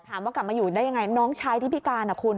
กลับมาอยู่ได้ยังไงน้องชายที่พิการอ่ะคุณ